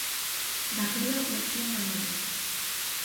Daquela, lección do Noia.